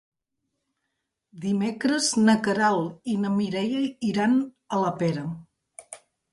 Dimecres na Queralt i na Mireia iran a la Pera.